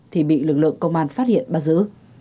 thì bị lực lượng công an phát hiện bắt giữ